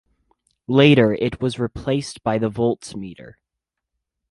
Later it was replaced by the voltmeter.